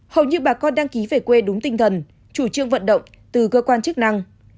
hầu như bà con đăng ký về quê đúng tinh thần chủ trương vận động từ cơ quan chức năng